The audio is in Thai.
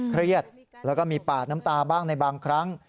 เครียดแล้วก็มีปาดน้ำตาบ้างในบางครั้ง